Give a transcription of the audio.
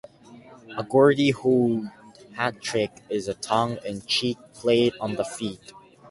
A Gordie Howe hat trick is a tongue-in-cheek play on the feat.